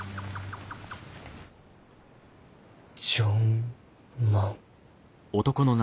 「ジョン・マン」。